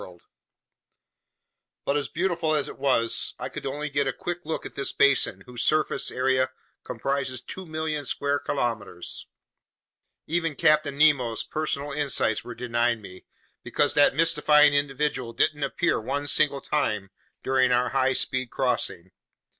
*Latin: "our sea." Ed. But as beautiful as it was, I could get only a quick look at this basin whose surface area comprises 2,000,000 square kilometers. Even Captain Nemo's personal insights were denied me, because that mystifying individual didn't appear one single time during our high speed crossing.